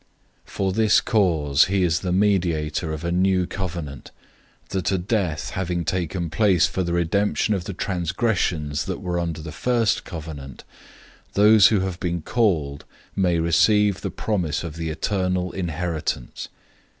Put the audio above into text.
009:015 For this reason he is the mediator of a new covenant, since a death has occurred for the redemption of the transgressions that were under the first covenant, that those who have been called may receive the promise of the eternal inheritance.